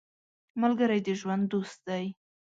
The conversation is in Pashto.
ملګری د ژوند دوست دی